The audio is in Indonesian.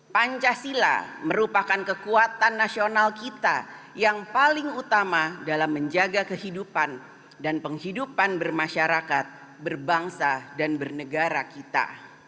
pancasila merupakan kekuatan nasional kita yang paling utama dalam menjaga kehidupan dan penghidupan bermasyarakat berbangsa dan bernegara kita